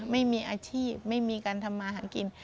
ไม่มีอาชีพไม่มีการทำมาหากิน